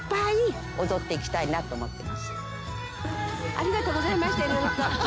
「ありがとうございました色々と。